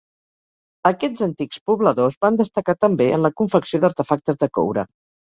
Aquests antics pobladors van destacar també en la confecció d'artefactes de coure.